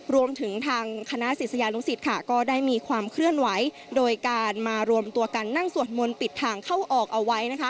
รวมถึงทางคณะศิษยานุสิตก็ได้มีความเคลื่อนไหวโดยการมารวมตัวกันนั่งสวดมนต์ปิดทางเข้าออกเอาไว้